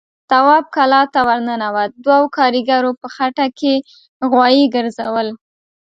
تواب کلا ته ور ننوت، دوو کاريګرو په خټه کې غوايي ګرځول.